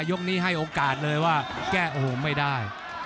ยกนี้ให้โอกาสเลยว่าแก้โอ้โหไม่ได้